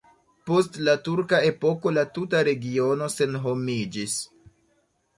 Post la turka epoko la tuta regiono senhomiĝis.